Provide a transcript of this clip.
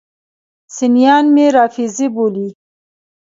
سنیان مې رافضي بولي.